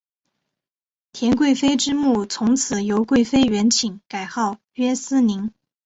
田贵妃之墓从此由贵妃园寝改号曰思陵。